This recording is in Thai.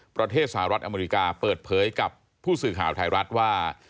ประเทศสหรัฐอเมริกาเปิดเผยกับผู้สื่อข่าวไทยรัฐว่า